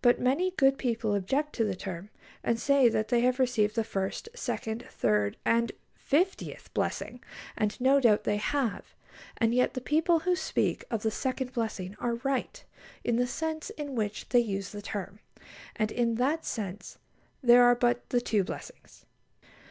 But many good people object to the term, and say that they have received the first, second, third, and fiftieth blessing; and no doubt they have; and yet the people who speak of "the second blessing" are right, in the sense in which they use the term; and in that sense there are but the two blessings.